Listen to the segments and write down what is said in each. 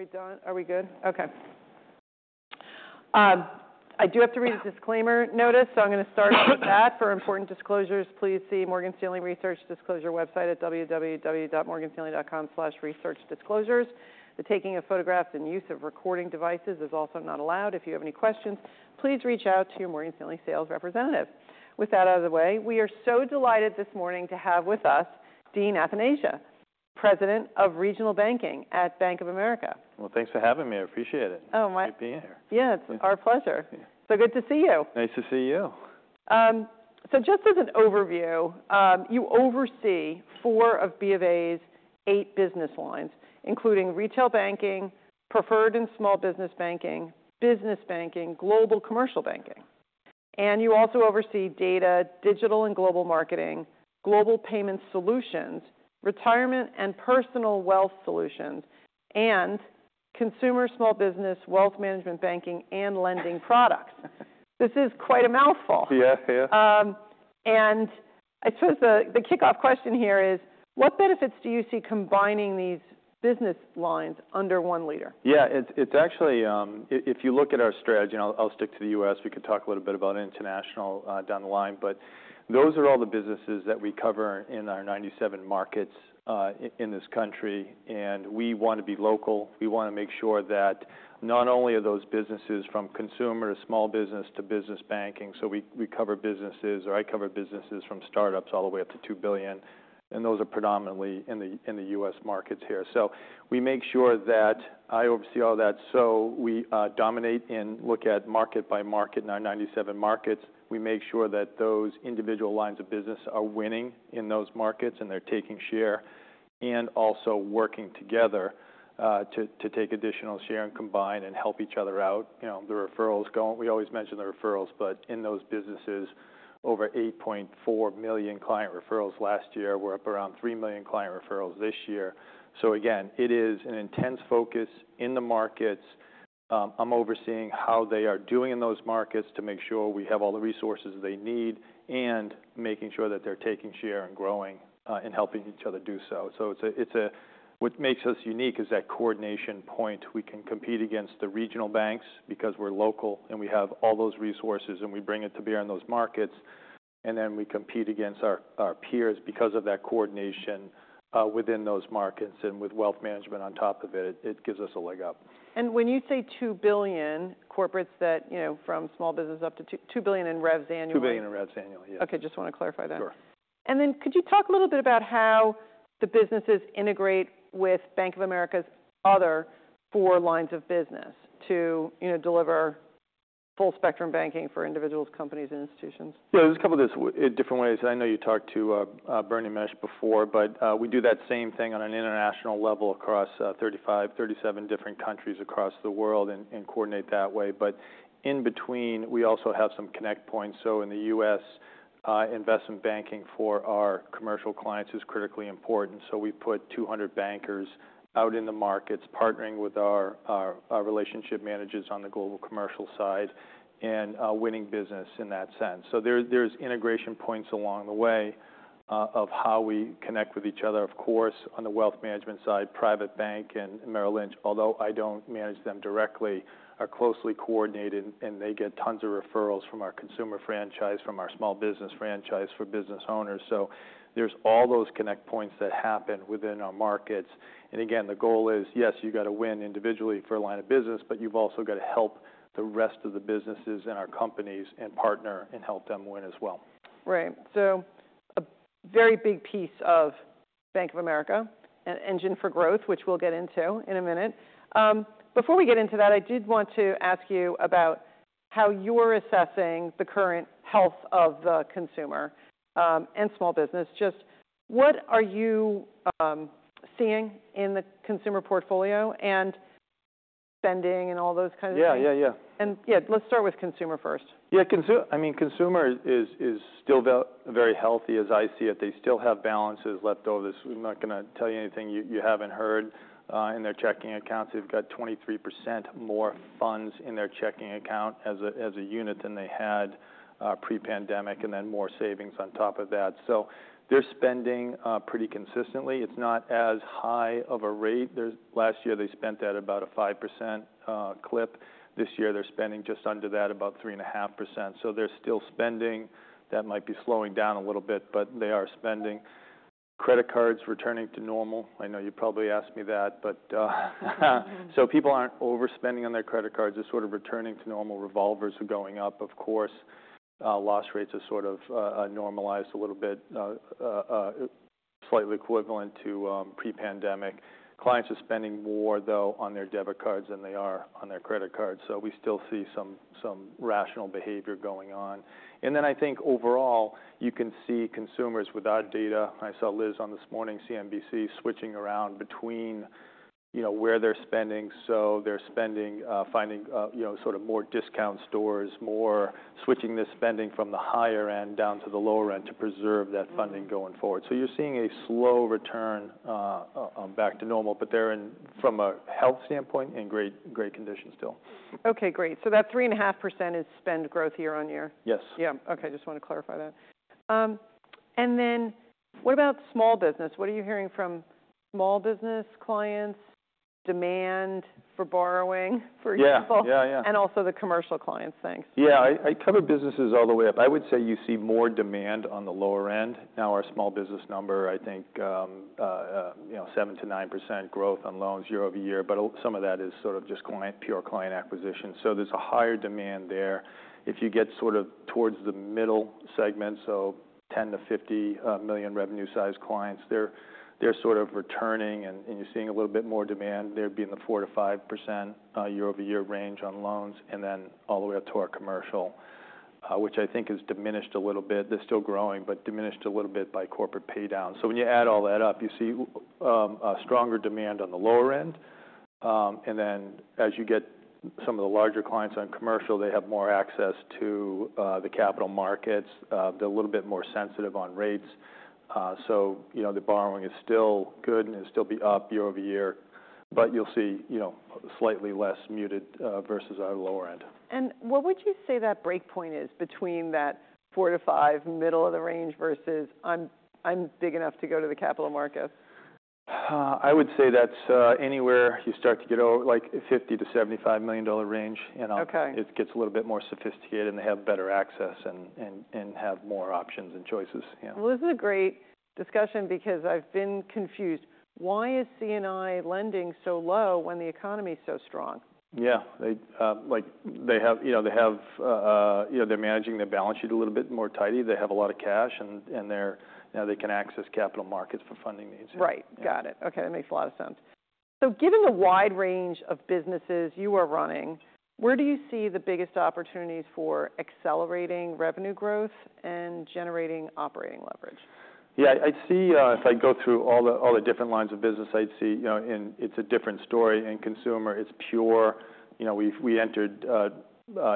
All right, are we done? Are we good? Okay. I do have to read a disclaimer notice, so I'm going to start with that. For important disclosures, please see Morgan Stanley Research Disclosure website at www.morganstanley.com/researchdisclosures. The taking of photographs and use of recording devices is also not allowed. If you have any questions, please reach out to your Morgan Stanley sales representative. With that out of the way, we are so delighted this morning to have with us Dean Athanasia, President of Regional Banking at Bank of America. Well, thanks for having me. I appreciate it. Oh, my- Great being here. Yeah, it's our pleasure. Yeah. Good to see you. Nice to see you. So just as an overview, you oversee four of B of A's eight business lines, including Retail Banking, Preferred and Small Business Banking, Business Banking, Global Commercial Banking. You also oversee Data, Digital and Global Marketing, Global Payment Solutions, Retirement and Personal Wealth Solutions, and Consumer Small Business, Wealth Management, banking, and lending products. This is quite a mouthful. Yeah. Yeah. I suppose the kickoff question here is: what benefits do you see combining these business lines under one leader? Yeah, it's actually. If you look at our strategy, and I'll stick to the U.S., we could talk a little bit about international down the line, but those are all the businesses that we cover in our 97 markets in this country, and we want to be local. We want to make sure that not only are those businesses from consumer to small business to business banking, so we cover businesses, or I cover businesses from startups all the way up to $2 billion, and those are predominantly in the U.S. markets here. So we dominate and look at market by market in our 97 markets. We make sure that those individual lines of business are winning in those markets, and they're taking share, and also working together to take additional share and combine and help each other out. You know, the referrals go on. We always mention the referrals, but in those businesses, over 8.4 million client referrals last year, we're up around 3 million client referrals this year. So again, it is an intense focus in the markets. I'm overseeing how they are doing in those markets to make sure we have all the resources they need, and making sure that they're taking share and growing, and helping each other do so. So what makes us unique is that coordination point. We can compete against the regional banks because we're local and we have all those resources, and we bring it to bear on those markets, and then we compete against our peers because of that coordination within those markets, and with wealth management on top of it. It gives us a leg up. When you say $2 billion, corporates that, you know, from small business up to $2, $2 billion in revs annually? $2 billion in revs annually, yes. Okay, just want to clarify that. Sure. And then could you talk a little bit about how the businesses integrate with Bank of America's other four lines of business to, you know, deliver full-spectrum banking for individuals, companies, and institutions? Yeah, there's a couple of different ways. I know you talked to Bernard Mensah before, but we do that same thing on an international level across 35, 37 different countries across the world and coordinate that way. But in between, we also have some connect points. So in the U.S., investment banking for our commercial clients is critically important, so we put 200 bankers out in the markets, partnering with our relationship managers on the global commercial side and winning business in that sense. So there, there's integration points along the way, of how we connect with each other. Of course, on the wealth management side, Private Bank and Merrill Lynch, although I don't manage them directly, are closely coordinated, and they get tons of referrals from our consumer franchise, from our small business franchise for business owners. There's all those connect points that happen within our markets. And again, the goal is, yes, you've got to win individually for a line of business, but you've also got to help the rest of the businesses and our companies and partner and help them win as well. Right. So a very big piece of Bank of America, an engine for growth, which we'll get into in a minute. Before we get into that, I did want to ask you about how you're assessing the current health of the consumer, and small business. Just what are you seeing in the consumer portfolio and spending and all those kinds of things? Yeah. Yeah, yeah. Yeah, let's start with consumer first. Yeah, I mean, consumer is still very healthy, as I see it. They still have balances left over. So I'm not going to tell you anything you haven't heard. In their checking accounts, they've got 23% more funds in their checking account as a unit than they had pre-pandemic, and then more savings on top of that. So they're spending pretty consistently. It's not as high of a rate. There was last year, they spent at about a 5% clip. This year, they're spending just under that, about 3.5%. So they're still spending. That might be slowing down a little bit, but they are spending. Credit cards returning to normal. I know you probably asked me that, but, Mm-hmm. So people aren't overspending on their credit cards. They're sort of returning to normal. Revolvers are going up, of course. Loss rates are sort of normalized a little bit, slightly equivalent to pre-pandemic. Clients are spending more, though, on their debit cards than they are on their credit cards, so we still see some rational behavior going on. And then I think overall, you can see consumers with our data. I saw Liz on this morning, CNBC, switching around between, you know, where they're spending. So they're spending, finding, you know, sort of more discount stores, more switching the spending from the higher end down to the lower end to preserve that funding- Mm-hmm going forward. So you're seeing a slow return back to normal, but they're in great, great condition still from a health standpoint. Okay, great. So that 3.5% is spend growth year-on-year? Yes. Yeah. Okay, just want to clarify that. And then what about small business? What are you hearing from small business clients, demand for borrowing, for example? Yeah. Yeah, yeah. Also the commercial clients. Thanks. Yeah, I cover businesses all the way up. I would say you see more demand on the lower end. Now, our small business number, I think, you know, 7%-9% growth on loans year-over-year, but some of that is sort of just client- pure client acquisition. So there's a higher demand there. If you get sort of towards the middle segment, so 10-50 million revenue-sized clients, they're sort of returning, and you're seeing a little bit more demand there, being the 4%-5% year-over-year range on loans, and then all the way up to our commercial, which I think has diminished a little bit. They're still growing, but diminished a little bit by corporate pay down. So when you add all that up, you see a stronger demand on the lower end. And then as you get some of the larger clients on commercial, they have more access to the capital markets. They're a little bit more sensitive on rates. So, you know, the borrowing is still good, and it'll still be up year over year, but you'll see, you know, slightly less muted versus our lower end. What would you say that breakpoint is between that 4-5 middle of the range versus, "I'm, I'm big enough to go to the capital markets? I would say that's anywhere you start to get over, like, a $50 million-$75 million range, you know? Okay. It gets a little bit more sophisticated, and they have better access and have more options and choices. Yeah. Well, this is a great discussion because I've been confused. Why is C&I lending so low when the economy is so strong? Yeah, they, like, they have, you know, they have. You know, they're managing their balance sheet a little bit more tidy. They have a lot of cash, and now they can access capital markets for funding needs. Right. Yeah. Got it. Okay, that makes a lot of sense. So given the wide range of businesses you are running, where do you see the biggest opportunities for accelerating revenue growth and generating operating leverage? Yeah, I'd see if I go through all the different lines of business, I'd see, you know, and it's a different story. In consumer, it's pure. You know, we've entered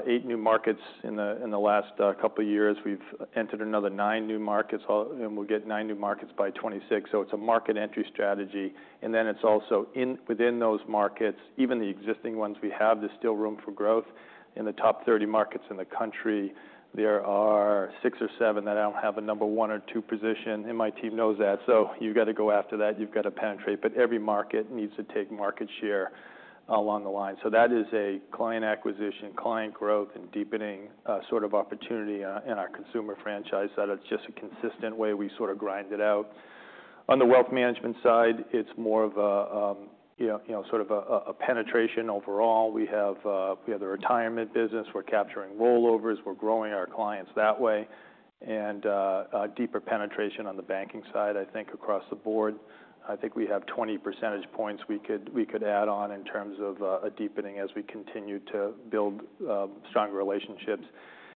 8 new markets in the last couple years. We've entered another 9 new markets, and we'll get 9 new markets by 2026. So it's a market entry strategy, and then it's also within those markets, even the existing ones we have, there's still room for growth. In the top 30 markets in the country, there are 6 or 7 that I don't have a number one or two position, and my team knows that. So you've got to go after that. You've got to penetrate, but every market needs to take market share along the line. So that is a client acquisition, client growth, and deepening, sort of opportunity, in our consumer franchise. That is just a consistent way we sort of grind it out. On the wealth management side, it's more of a, you know, you know, sort of a penetration overall. We have the retirement business. We're capturing rollovers. We're growing our clients that way, and a deeper penetration on the banking side, I think, across the board. I think we have 20 percentage points we could add on in terms of a deepening as we continue to build stronger relationships.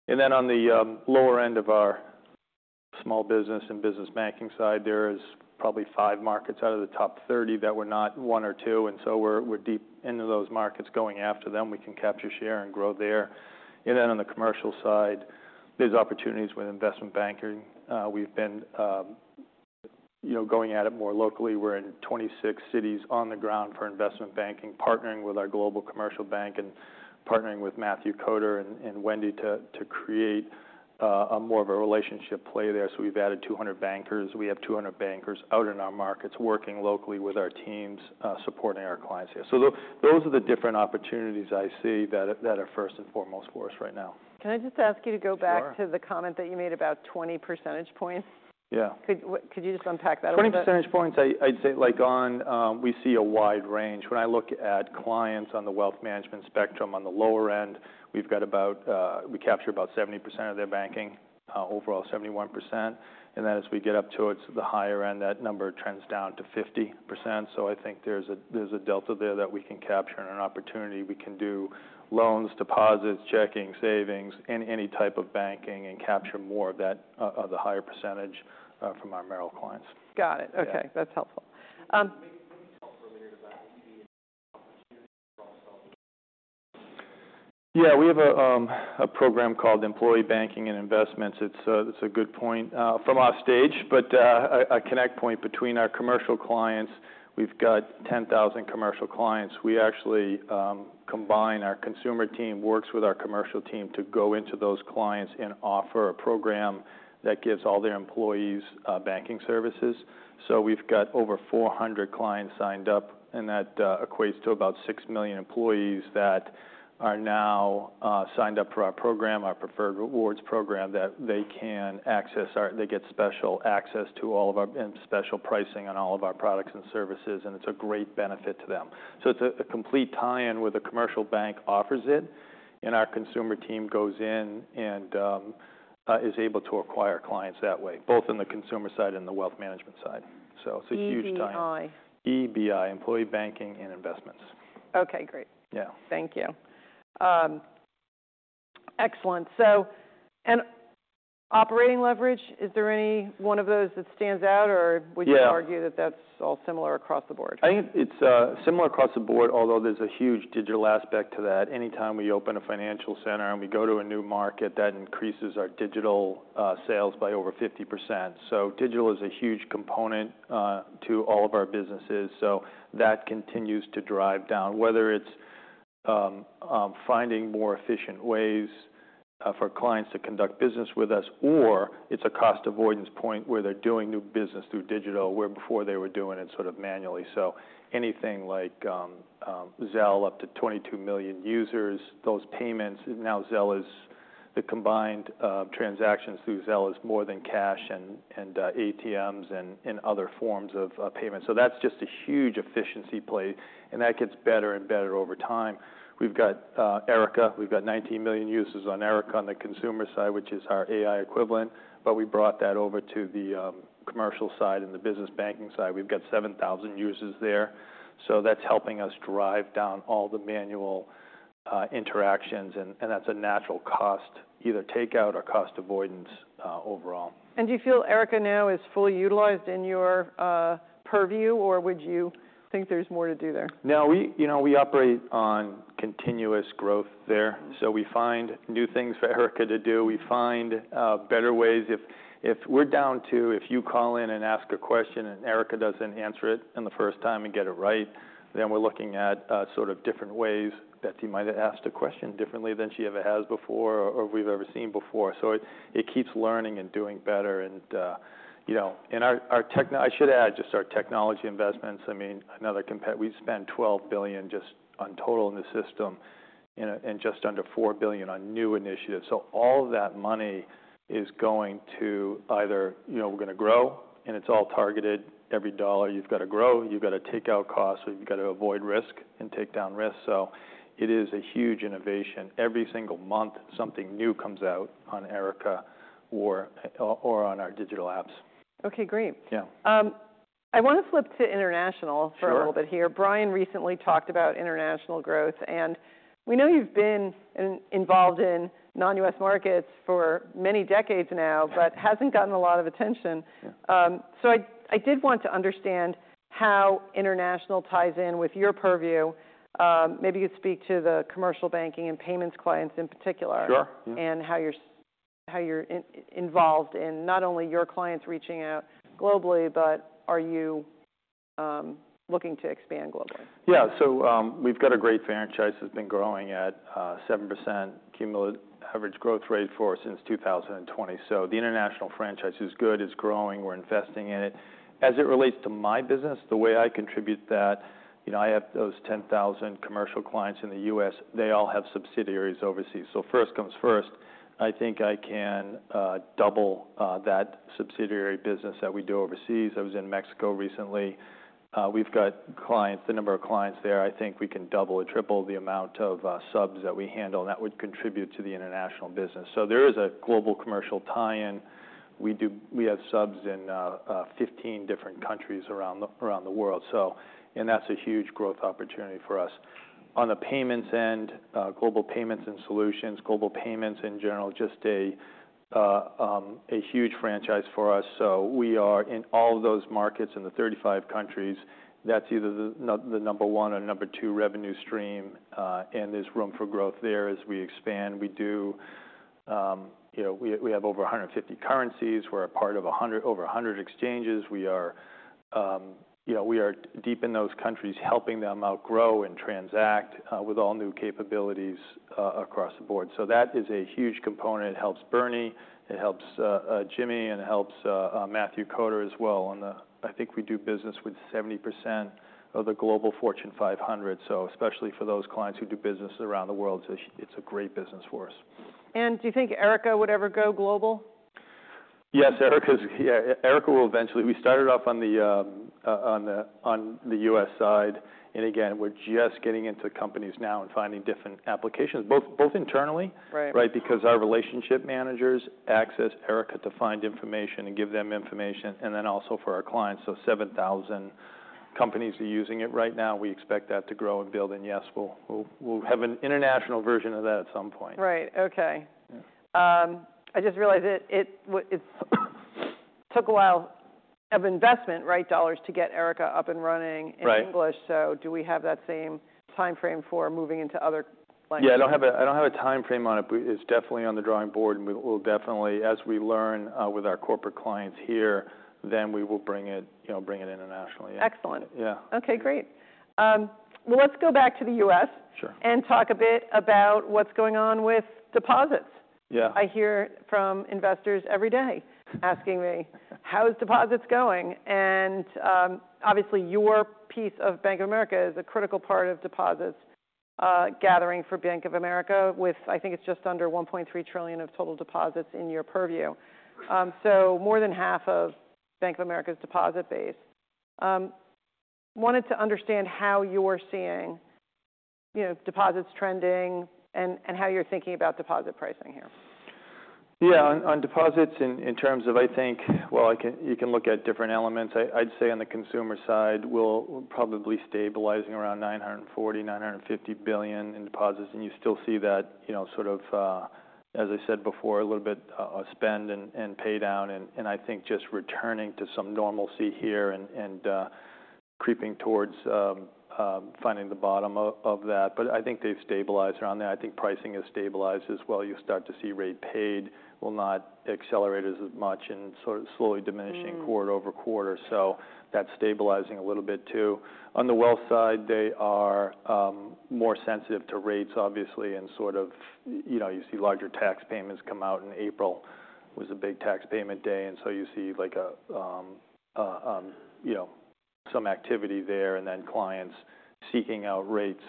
And then on the lower end of our small business and business banking side, there is probably 5 markets out of the top 30 that we're not 1 or 2, and so we're deep into those markets, going after them. We can capture, share, and grow there. And then on the commercial side, there's opportunities with investment banking. We've been, you know, going at it more locally. We're in 26 cities on the ground for investment banking, partnering with our global commercial bank and partnering with Matthew Koder and Wendy to create more of a relationship play there. So we've added 200 bankers. We have 200 bankers out in our markets, working locally with our teams, supporting our clients there. So those are the different opportunities I see that are first and foremost for us right now. Can I just ask you to go back- Sure to the comment that you made about 20 percentage points? Yeah. Could you just unpack that a little bit? 20 percentage points, I, I'd say, like, on, We see a wide range. When I look at clients on the wealth management spectrum, on the lower end, we've got about, we capture about 70% of their banking, overall 71%. And then as we get up towards the higher end, that number trends down to 50%. So I think there's a, there's a delta there that we can capture and an opportunity. We can do loans, deposits, checking, savings, and any type of banking and capture more of that, the higher percentage, from our Merrill clients. Got it. Yeah. Okay, that's helpful. May we talk for a minute about EBI opportunities for ourselves? Yeah, we have a program called Employee Banking and Investments. It's a good point from offstage, but a connect point between our commercial clients. We've got 10,000 commercial clients. We actually combine our consumer team, works with our commercial team to go into those clients and offer a program that gives all their employees banking services. So we've got over 400 clients signed up, and that equates to about 6 million employees that are now signed up for our program, our Preferred Rewards program, that they can access our - they get special access to all of our - and special pricing on all of our products and services, and it's a great benefit to them. So it's a complete tie-in where the commercial bank offers it, and our consumer team goes in and is able to acquire clients that way, both in the consumer side and the wealth management side. So it's a huge tie-in. EBI? EBI, Employee Banking and Investments. Okay, great. Yeah. Thank you. Excellent. So and operating leverage, is there any one of those that stands out, or- Yeah. would you argue that that's all similar across the board? I think it's similar across the board, although there's a huge digital aspect to that. Anytime we open a financial center, and we go to a new market, that increases our digital sales by over 50%. So digital is a huge component to all of our businesses. So that continues to drive down. Whether it's finding more efficient ways for clients to conduct business with us, or it's a cost avoidance point where they're doing new business through digital, where before they were doing it sort of manually. So anything like Zelle, up to 22 million users, those payments. Now Zelle is the combined transactions through Zelle is more than cash and ATMs and other forms of payment. So that's just a huge efficiency play, and that gets better and better over time. We've got Erica, we've got 19 million users on Erica on the consumer side, which is our AI equivalent, but we brought that over to the commercial side and the business banking side. We've got 7,000 users there. So that's helping us drive down all the manual interactions, and that's a natural cost, either takeout or cost avoidance overall. Do you feel Erica now is fully utilized in your purview, or would you think there's more to do there? No, we, you know, we operate on continuous growth there, so we find new things for Erica to do. We find better ways. If we're down to if you call in and ask a question and Erica doesn't answer it in the first time and get it right, then we're looking at sort of different ways that you might have asked a question differently than she ever has before or we've ever seen before. So it keeps learning and doing better. And you know, I should add just our technology investments. I mean, we've spent $12 billion just on total in the system and just under $4 billion on new initiatives. So all that money is going to either, you know, we're gonna grow, and it's all targeted. Every dollar you've got to grow, you've got to take out costs, or you've got to avoid risk and take down risk. So it is a huge innovation. Every single month, something new comes out on Erica or on our digital apps. Okay, great. Yeah. I want to flip to international- Sure. For a little bit here. Brian recently talked about international growth, and we know you've been involved in non-U.S. markets for many decades now but hasn't gotten a lot of attention. Yeah. So I did want to understand how international ties in with your purview. Maybe you'd speak to the commercial banking and payments clients in particular- Sure, mm-hmm. and how you're involved in not only your clients reaching out globally, but are you looking to expand globally? Yeah. So, we've got a great franchise that's been growing at 7% cumulative average growth rate for us since 2020. So the international franchise is good, it's growing, we're investing in it. As it relates to my business, the way I contribute to that, you know, I have those 10,000 commercial clients in the U.S. They all have subsidiaries overseas, so first comes first. I think I can double that subsidiary business that we do overseas. I was in Mexico recently. We've got clients, the number of clients there, I think we can double or triple the amount of subs that we handle, and that would contribute to the international business. So there is a global commercial tie-in. We have subs in 15 different countries around the world, so. That's a huge growth opportunity for us. On the payments end, global payments and solutions, global payments in general, just a huge franchise for us. So we are in all of those markets in the 35 countries. That's either the number one or number two revenue stream, and there's room for growth there as we expand. We do, you know, we have over 150 currencies. We're a part of over 100 exchanges. We are, you know, we are deep in those countries, helping them outgrow and transact with all new capabilities across the board. So that is a huge component. It helps Bernie, it helps Jimmy, and it helps Matthew Koder as well, on the. I think we do business with 70% of the global Fortune 500. So especially for those clients who do business around the world, so it's, it's a great business for us. Do you think Erica would ever go global? Yes, Erica's yeah, Erica will eventually. We started off on the US side, and again, we're just getting into companies now and finding different applications, both internally- Right. Right? Because our relationship managers access Erica to find information and give them information, and then also for our clients. So 7,000 companies are using it right now. We expect that to grow and build, and yes, we'll, we'll, we'll have an international version of that at some point. Right. Okay. Yeah. I just realized that it took a while of investment, right, dollars, to get Erica up and running- Right in English. So do we have that same timeframe for moving into other languages? Yeah, I don't have a timeframe on it, but it's definitely on the drawing board, and we will definitely. As we learn with our corporate clients here, then we will bring it, you know, bring it internationally. Excellent. Yeah. Okay, great. Well, let's go back to the US- Sure. and talk a bit about what's going on with deposits. Yeah. I hear from investors every day asking me: How is deposits going? And, obviously, your piece of Bank of America is a critical part of deposits, gathering for Bank of America, with I think it's just under $1.3 trillion of total deposits in your purview. So more than half of Bank of America's deposit base. Wanted to understand how you're seeing, you know, deposits trending and, and how you're thinking about deposit pricing here. Yeah, on deposits, in terms of, I think, well, I can-- you can look at different elements. I'd say on the consumer side, we're probably stabilizing around $940 billion-$950 billion in deposits, and you still see that, you know, sort of, as I said before, a little bit spend and pay down, and I think just returning to some normalcy here and creeping towards finding the bottom of that. But I think they've stabilized around that. I think pricing has stabilized as well. You start to see rate paid will not accelerate as much and sort of slowly diminishing- Mm Quarter over quarter, so that's stabilizing a little bit too. On the wealth side, they are more sensitive to rates, obviously, and sort of, you know, you see larger tax payments come out in April, was a big tax payment day. And so you see like a, you know, some activity there, and then clients seeking out rates.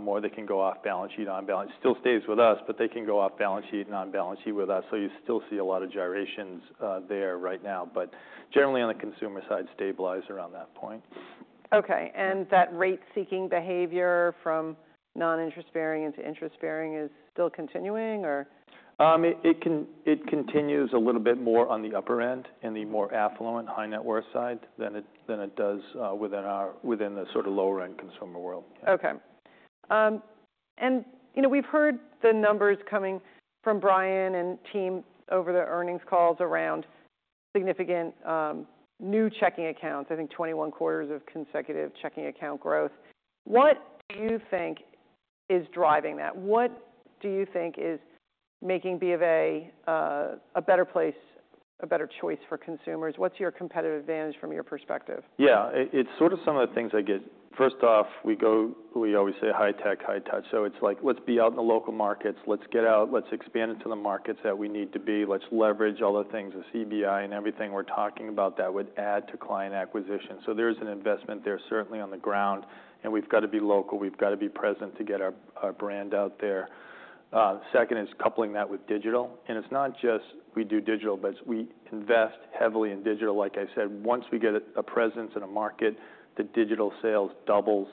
More they can go off balance sheet, on balance. Still stays with us, but they can go off balance sheet and on balance sheet with us, so you still see a lot of gyrations, there right now. But generally, on the consumer side, stabilize around that point. Okay, and that rate-seeking behavior from non-interest-bearing into interest-bearing is still continuing, or? It continues a little bit more on the upper end, in the more affluent, high-net-worth side, than it does within the sort of lower-end consumer world. Okay. And, you know, we've heard the numbers coming from Brian and team over the earnings calls around significant new checking accounts. I think 21 quarters of consecutive checking account growth. What do you think is driving that? What do you think is making BofA a better place, a better choice for consumers? What's your competitive advantage from your perspective? Yeah, it's sort of some of the things I get. First off, we always say high tech, high touch. So it's like, let's be out in the local markets. Let's get out. Let's expand into the markets that we need to be. Let's leverage all the things, the C&I and everything we're talking about that would add to client acquisition. So there's an investment there, certainly on the ground, and we've got to be local. We've got to be present to get our brand out there. Second is coupling that with digital, and it's not just we do digital, but it's we invest heavily in digital. Like I said, once we get a presence in a market, the digital sales doubles.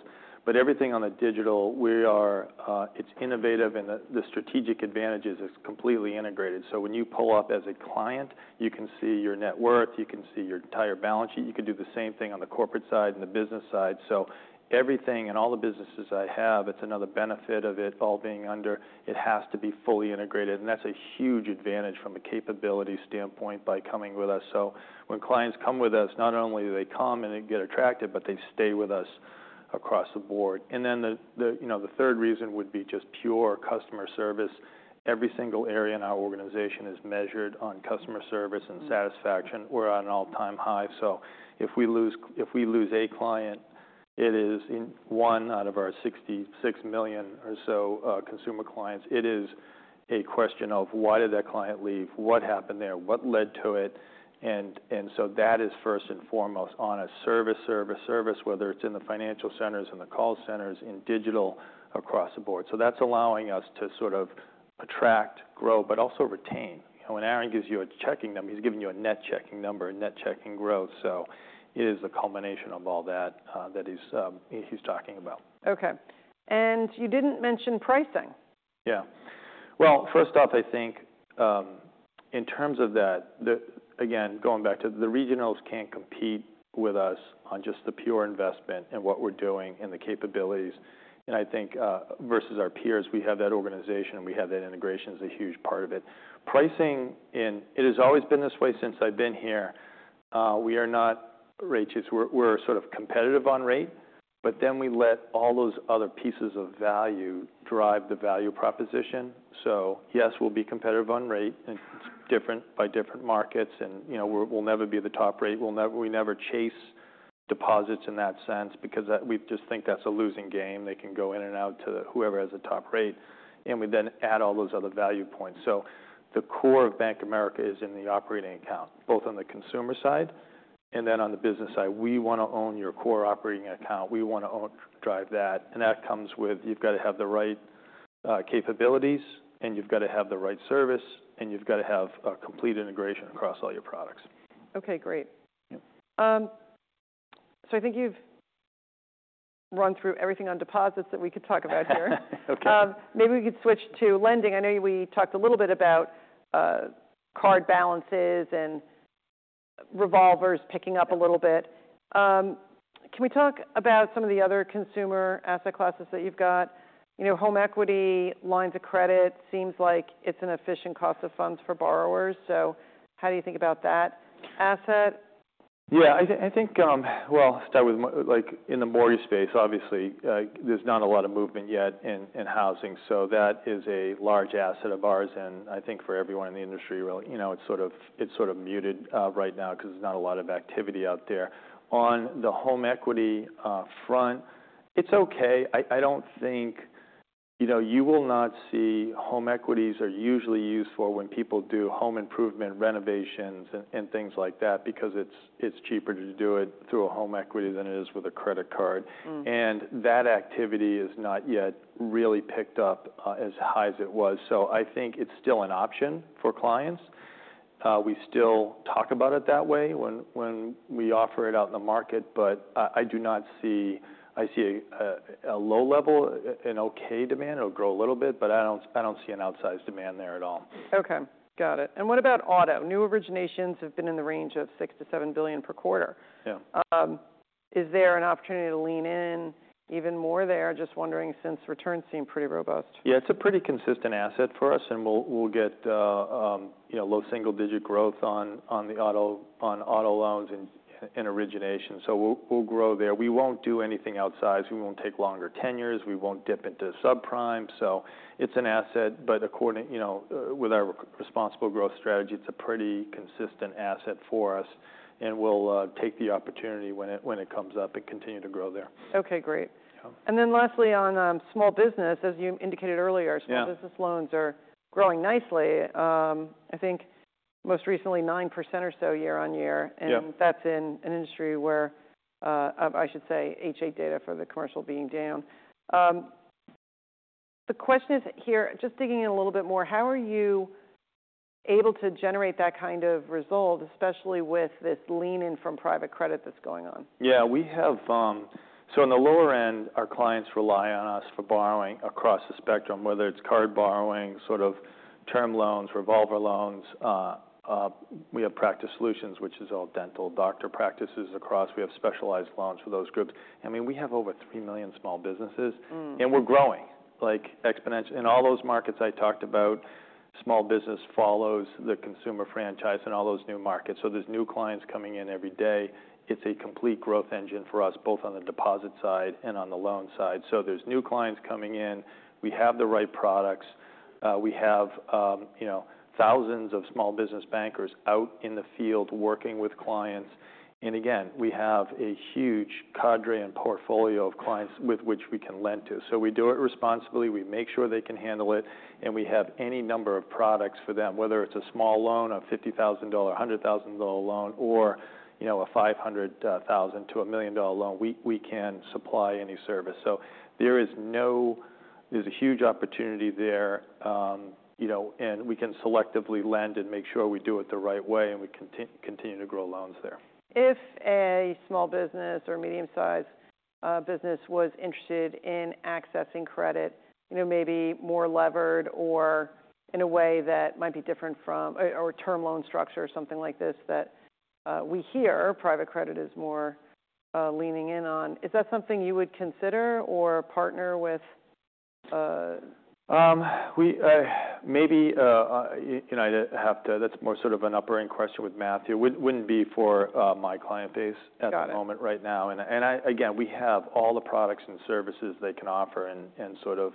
But everything on the digital, we are, it's innovative, and the strategic advantage is it's completely integrated. So when you pull up as a client, you can see your net worth, you can see your entire balance sheet. You can do the same thing on the corporate side and the business side. So everything in all the businesses I have, it's another benefit of it all being under. It has to be fully integrated, and that's a huge advantage from a capability standpoint by coming with us. So when clients come with us, not only do they come and they get attracted, but they stay with us across the board. And then the, you know, the third reason would be just pure customer service. Every single area in our organization is measured on customer service and satisfaction. We're at an all-time high, so if we lose a client, it is one out of our 66 million or so consumer clients. It is a question of, why did that client leave? What happened there? What led to it? And, and so that is first and foremost on a service, service, service, whether it's in the financial centers, in the call centers, in digital, across the board. So that's allowing us to sort of attract, grow, but also retain. You know, when Aron gives you a checking number, he's giving you a net checking number, a net checking growth, so it is a culmination of all that, that he's talking about. Okay. You didn't mention pricing. Yeah. Well, first off, I think, in terms of that, again, going back to the regionals can't compete with us on just the pure investment and what we're doing and the capabilities, and I think, versus our peers, we have that organization and we have that integration as a huge part of it. Pricing, and it has always been this way since I've been here, we are not rate chase. We're, we're sort of competitive on rate, but then we let all those other pieces of value drive the value proposition. So yes, we'll be competitive on rate and different by different markets, and, you know, we'll, we'll never be the top rate. We'll never we never chase deposits in that sense because that we just think that's a losing game. They can go in and out to whoever has a top rate, and we then add all those other value points. So the core of Bank of America is in the operating account, both on the consumer side and then on the business side. We want to own your core operating account. We want to own-drive that, and that comes with, you've got to have the right, capabilities, and you've got to have the right service, and you've got to have a complete integration across all your products. Okay, great. Yeah. So I think you've run through everything on deposits that we could talk about here. Okay. Maybe we could switch to lending. I know we talked a little bit about card balances and revolvers picking up a little bit. Can we talk about some of the other consumer asset classes that you've got? You know, home equity, lines of credit, seems like it's an efficient cost of funds for borrowers, so how do you think about that asset? Yeah, I think, well, start with like, in the mortgage space, obviously, there's not a lot of movement yet in, in housing, so that is a large asset of ours, and I think for everyone in the industry, really, you know, it's sort of, it's sort of muted, right now because there's not a lot of activity out there. On the home equity, front, it's okay. I don't think. You know, you will not see home equities are usually used for when people do home improvement renovations and, and things like that because it's, it's cheaper to do it through a home equity than it is with a credit card. Mm. And that activity is not yet really picked up as high as it was. So I think it's still an option for clients. We still talk about it that way when we offer it out in the market, but I do not see—I see a low level, an okay demand. It'll grow a little bit, but I don't see an outsized demand there at all. Okay, got it. What about auto? New originations have been in the range of $6 billion-$7 billion per quarter. Yeah. Is there an opportunity there?. even more there? Just wondering, since returns seem pretty robust. Yeah, it's a pretty consistent asset for us, and we'll get you know, low single-digit growth on auto loans and origination. So we'll grow there. We won't do anything outside. We won't take longer tenures. We won't dip into subprime. So it's an asset, but according you know, with our Responsible Growth strategy, it's a pretty consistent asset for us, and we'll take the opportunity when it comes up and continue to grow there. Okay, great. Yeah. And then lastly, on small business, as you indicated earlier- Yeah Small business loans are growing nicely. I think most recently, 9% or so year-on-year. Yeah. And that's in an industry where, I should say, H.8 data for the commercial being down. The question is here, just digging in a little bit more, how are you able to generate that kind of result, especially with this lean in from private credit that's going on? Yeah, we have. So on the lower end, our clients rely on us for borrowing across the spectrum, whether it's card borrowing, sort of term loans, revolver loans. We have Practice Solutions, which is all dental doctor practices across. We have specialized loans for those groups. I mean, we have over 3 million small businesses- Mm. We're growing, like exponentially. In all those markets I talked about, small business follows the consumer franchise in all those new markets, so there's new clients coming in every day. It's a complete growth engine for us, both on the deposit side and on the loan side. So there's new clients coming in. We have the right products. We have, you know, thousands of small business bankers out in the field working with clients. And again, we have a huge cadre and portfolio of clients with which we can lend to. So we do it responsibly, we make sure they can handle it, and we have any number of products for them, whether it's a small loan, a $50,000, a $100,000 loan, or, you know, a $500,000-$1 million loan, we, we can supply any service. So there's a huge opportunity there, you know, and we can selectively lend and make sure we do it the right way, and we continue to grow loans there. If a small business or medium-sized business was interested in accessing credit, you know, maybe more levered or in a way that might be different from. or term loan structure or something like this, that we hear private credit is more leaning in on, is that something you would consider or partner with? Maybe, you know, I'd have to. That's more sort of an upper-end question with Matthew. Wouldn't be for my client base- Got it. at the moment right now. And again, we have all the products and services they can offer, and sort of,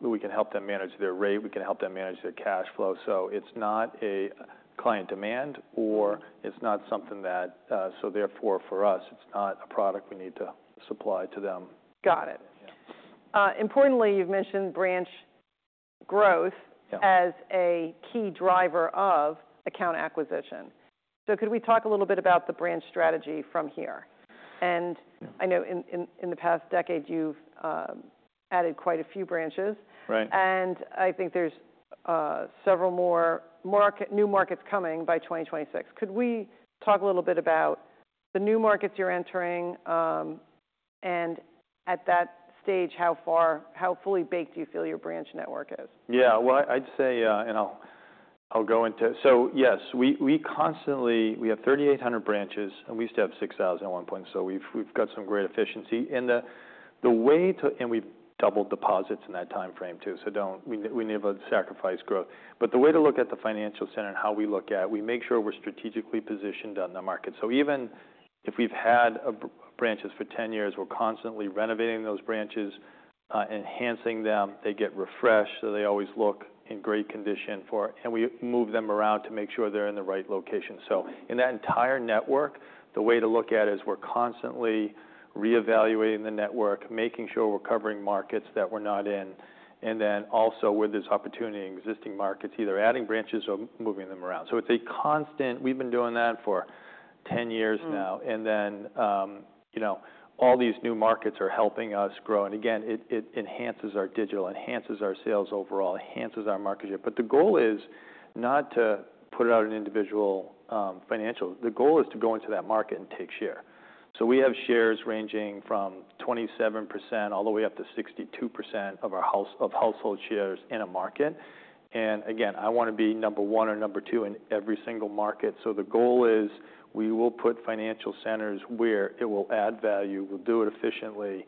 we can help them manage their rate, we can help them manage their cash flow. So it's not a client demand, or it's not something that. So therefore, for us, it's not a product we need to supply to them. Got it. Yeah. Importantly, you've mentioned branch growth- Yeah as a key driver of account acquisition. So could we talk a little bit about the branch strategy from here? And I know in the past decade, you've added quite a few branches. Right. And I think there's several more new markets coming by 2026. Could we talk a little bit about the new markets you're entering? And at that stage, how fully baked do you feel your branch network is? Yeah. Well, I'd say, and I'll go into. So yes, we constantly—we have 3,800 branches, and we used to have 6,000 at one point, so we've got some great efficiency. And the way to—and we've doubled deposits in that timeframe, too, so don't—we never sacrifice growth. But the way to look at the financial center and how we look at, we make sure we're strategically positioned on the market. So even if we've had branches for 10 years, we're constantly renovating those branches, enhancing them. They get refreshed, so they always look in great condition for it, and we move them around to make sure they're in the right location. So in that entire network, the way to look at it is we're constantly reevaluating the network, making sure we're covering markets that we're not in, and then also where there's opportunity in existing markets, either adding branches or moving them around. So it's a constant, we've been doing that for 10 years now. Mm. Then, you know, all these new markets are helping us grow, and again, it, it enhances our digital, enhances our sales overall, enhances our market share. But the goal is not to put out an individual financial center. The goal is to go into that market and take share. So we have shares ranging from 27% all the way up to 62% of our household shares in a market. And again, I want to be number one or number two in every single market. So the goal is, we will put Financial Centers where it will add value, we'll do it efficiently,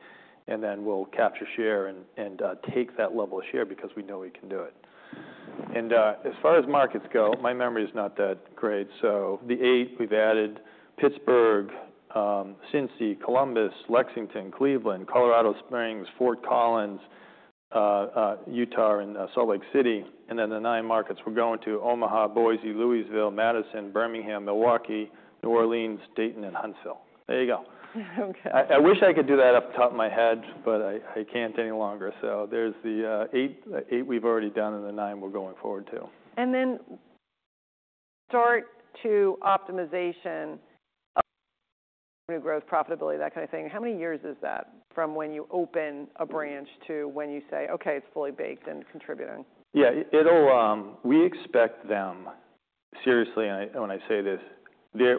and then we'll capture share and take that level of share because we know we can do it. And, as far as markets go, my memory is not that great, so the eight, we've added Pittsburgh, Cincy, Columbus, Lexington, Cleveland, Colorado Springs, Fort Collins, Utah, and Salt Lake City. And then the nine markets, we're going to Omaha, Boise, Louisville, Madison, Birmingham, Milwaukee, New Orleans, Dayton, and Huntsville. There you go. Okay. I wish I could do that off the top of my head, but I can't any longer. So there's the eight we've already done and the nine we're going forward to. And then start to optimization of new growth, profitability, that kind of thing. How many years is that from when you open a branch to when you say, "Okay, it's fully baked and contributing? Yeah. It'll, we expect them—seriously, I, when I say this,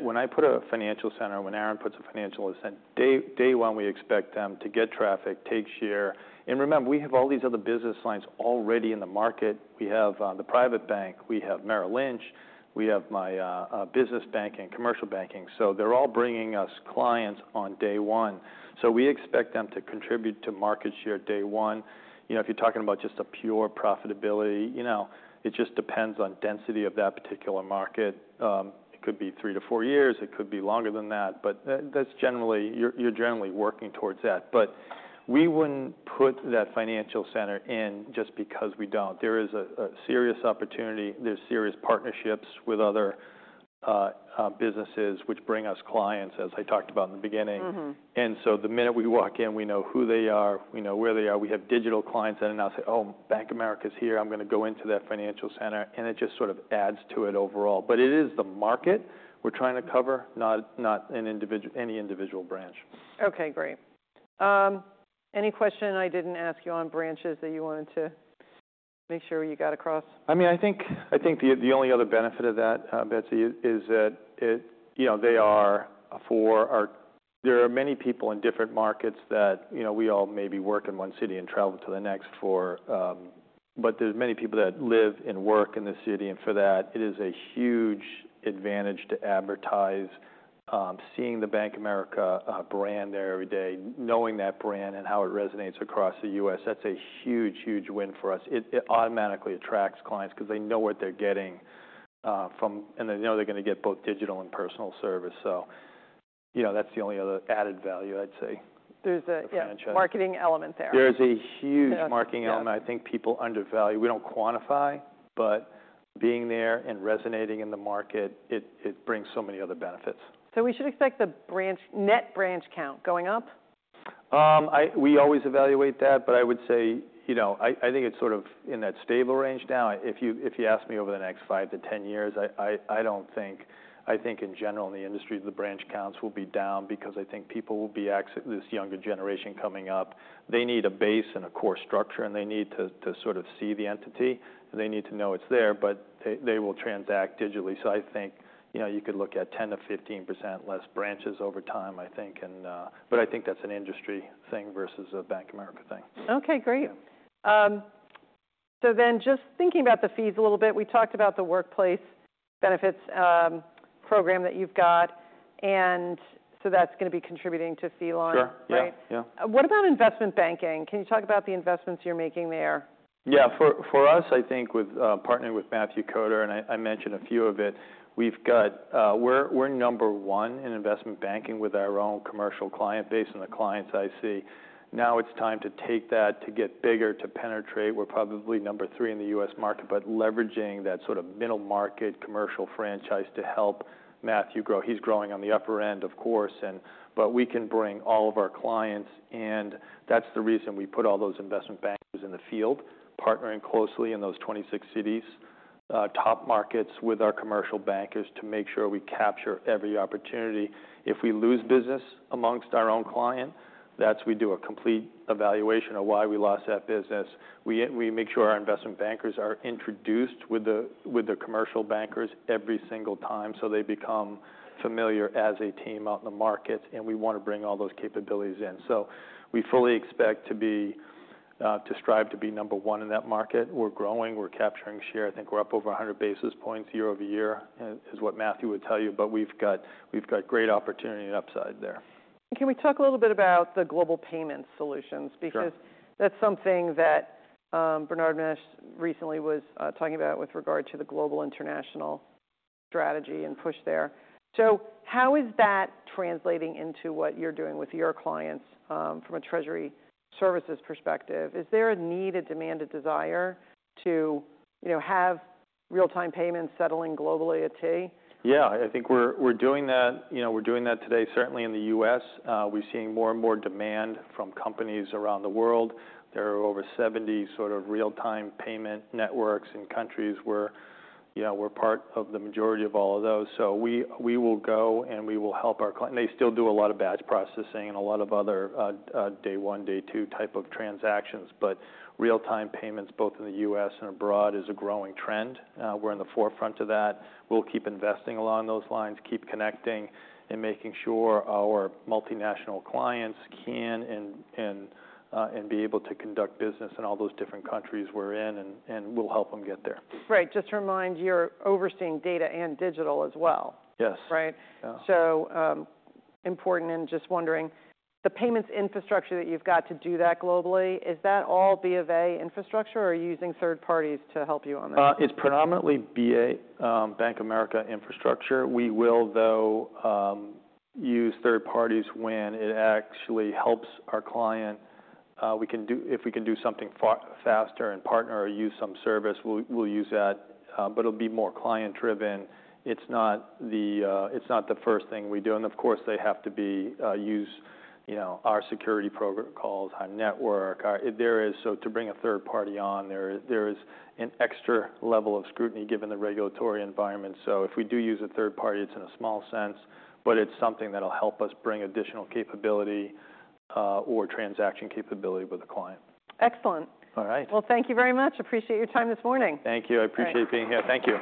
when I put a financial center, when Aaron puts a financial center, day one, we expect them to get traffic, take share. And remember, we have all these other business lines already in the market. We have the Private Bank, we have Merrill Lynch, we have my business banking, commercial banking. So they're all bringing us clients on day one. So we expect them to contribute to market share day one. You know, if you're talking about just a pure profitability, you know, it just depends on density of that particular market. It could be 3-4 years, it could be longer than that, but that's generally. You're generally working towards that. But we wouldn't put that financial center in just because we don't. There is a serious opportunity. There's serious partnerships with other businesses, which bring us clients, as I talked about in the beginning. Mm-hmm. And so the minute we walk in, we know who they are, we know where they are. We have digital clients in, and I'll say, "Oh, Bank of America's here. I'm going to go into that financial center," and it just sort of adds to it overall. But it is the market we're trying to cover, not any individual branch. Okay, great. Any question I didn't ask you on branches that you wanted to make sure you got across? I mean, I think the only other benefit of that, Betsy, is that it. You know, there are many people in different markets that, you know, we all maybe work in one city and travel to the next for. But there's many people that live and work in the city, and for that, it is a huge advantage to advertise. Seeing the Bank of America brand there every day, knowing that brand and how it resonates across the US, that's a huge, huge win for us. It automatically attracts clients because they know what they're getting from, and they know they're going to get both digital and personal service. So you know, that's the only other added value I'd say. There's a- The franchise. yeah, marketing element there. There is a huge- Yeah. marketing element. I think people undervalue. We don't quantify, but being there and resonating in the market, it brings so many other benefits. We should expect the branch net branch count going up? We always evaluate that, but I would say, you know, I think it's sort of in that stable range now. If you ask me over the next five to 10 years, I don't think. I think in general, in the industry, the branch counts will be down because I think people will be this younger generation coming up, they need a base and a core structure, and they need to sort of see the entity. They need to know it's there, but they will transact digitally. So I think, you know, you could look at 10%-15% less branches over time, I think. But I think that's an industry thing versus a Bank of America thing. Okay, great. So then just thinking about the fees a little bit, we talked about the workplace benefits program that you've got, and so that's going to be contributing to fee line- Sure. right? Yeah, yeah. What about investment banking? Can you talk about the investments you're making there? Yeah. For us, I think with partnering with Matthew Koder, and I mentioned a few of it, we've got. We're number one in investment banking with our own commercial client base and the clients I see. Now it's time to take that to get bigger, to penetrate. We're probably number three in the U.S. market, but leveraging that sort of middle market commercial franchise to help Matthew grow. He's growing on the upper end, of course, and. But we can bring all of our clients, and that's the reason we put all those investment bankers in the field, partnering closely in those 26 cities, top markets with our commercial bankers, to make sure we capture every opportunity. If we lose business amongst our own client, that's we do a complete evaluation of why we lost that business. We make sure our investment bankers are introduced with the commercial bankers every single time, so they become familiar as a team out in the market, and we want to bring all those capabilities in. So we fully expect to be to strive to be number one in that market. We're growing, we're capturing share. I think we're up over 100 basis points year-over-year is what Matthew would tell you, but we've got great opportunity and upside there. Can we talk a little bit about the Global Payment Solutions? Sure. Because that's something that, Bernard Mensah recently was talking about with regard to the global international strategy and push there. So how is that translating into what you're doing with your clients, from a treasury services perspective? Is there a need, a demand, a desire to, you know, have real-time payments settling globally at T? Yeah, I think we're doing that. You know, we're doing that today, certainly in the U.S. We're seeing more and more demand from companies around the world. There are over 70 sort of real-time payment networks in countries where, you know, we're part of the majority of all of those. So we will go, and we will help our clients. They still do a lot of batch processing and a lot of other, day one, day two type of transactions, but real-time payments, both in the U.S. and abroad, is a growing trend. We're in the forefront of that. We'll keep investing along those lines, keep connecting and making sure our multinational clients can and be able to conduct business in all those different countries we're in, and we'll help them get there. Right. Just to remind, you're overseeing data and digital as well. Yes. Right? Yeah. So, important and just wondering, the payments infrastructure that you've got to do that globally, is that all B of A infrastructure, or are you using third parties to help you on that? It's predominantly BA, Bank of America infrastructure. We will, though, use third parties when it actually helps our client. We can if we can do something faster and partner or use some service, we'll use that, but it'll be more client-driven. It's not the first thing we do, and of course, they have to use, you know, our security program called High Network. So to bring a third party on, there is an extra level of scrutiny given the regulatory environment. So if we do use a third party, it's in a small sense, but it's something that'll help us bring additional capability, or transaction capability with a client. Excellent. All right. Well, thank you very much. Appreciate your time this morning. Thank you. I appreciate- Great being here. Thank you.